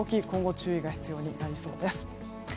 今後注意が必要になりそうです。